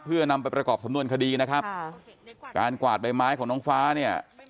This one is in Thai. เพื่อนำไปประกอบสำนวนคดีนะครับค่ะการกวาดใบไม้ของน้องฟ้าเนี่ย